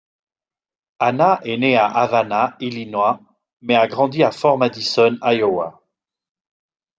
Anna est née à Havana, Illinois, mais a grandi à Fort Madison, Iowa.